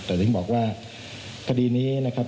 แต่ถึงบอกว่าคดีนี้นะครับ